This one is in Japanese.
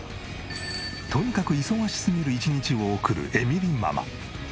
とにかく忙しすぎる１日を送るエミリママ。